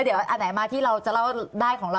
เดี๋ยวอันไหนมาที่เราจะเล่าได้ของเรา